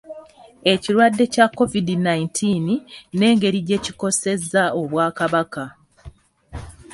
Ekirwadde kya COVID nineteen n'engeri gye kikosezza Obwakabaka